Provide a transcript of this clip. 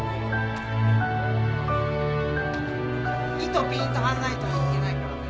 糸ピーンと張んないといけないからね。